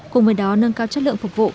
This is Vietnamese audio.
cùng với đó nâng cao chất lượng phục vụ